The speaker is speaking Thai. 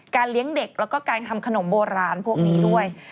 เลี้ยงเด็กแล้วก็การทำขนมโบราณพวกนี้ด้วย